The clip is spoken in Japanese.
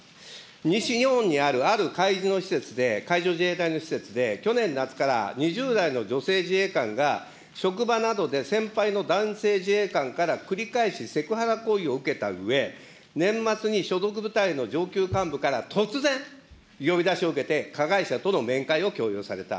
西日本にある、ある海軍施設で、海上自衛隊の施設で、去年夏から、２０代の女性自衛官が、職場などで先輩の男性自衛官から繰り返しセクハラ行為を受けたうえ、年末に所属部隊の上級幹部から、突然、呼び出しを受けて、加害者との面会を強要された。